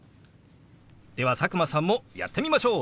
では佐久間さんもやってみましょう！